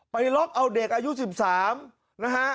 ไปล็อกเอาเด็กอายุ๑๓นะฮะ